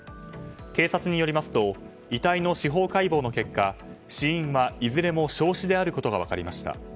警察によりますと遺体の司法解剖の結果死因はいずれも焼死であることが分かりました。